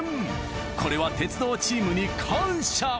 これは鉄道チームに感謝！